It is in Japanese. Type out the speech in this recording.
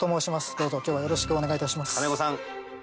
どうぞ今日はよろしくお願いいたします。